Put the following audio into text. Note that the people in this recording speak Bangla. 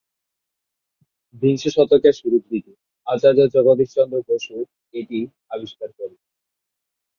বিংশ শতকের শুরুর দিকে আচার্য জগদীশচন্দ্র বসু এটি আবিষ্কার করেন।